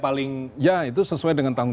paling ya itu sesuai dengan tanggung